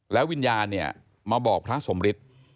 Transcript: แล้ววิญญาณเนี่ยมาบอกพระสมฤทธิ์